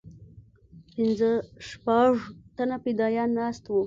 پنځه شپږ تنه فدايان ناست وو.